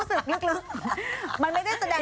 สูง